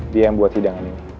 dia yang buat hidangan